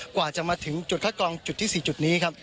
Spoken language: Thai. กว่าจะมาถึงจุดคัดกรองจุดที่๔จุดนี้ครับ